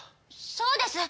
そうです！